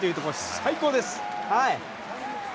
最高です！